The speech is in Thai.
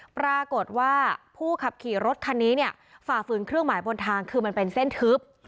ปรากฏว่าผู้ขับขี่รถคันนี้เนี่ยฝ่าฝืนเครื่องหมายบนทางคือมันเป็นเส้นทึบ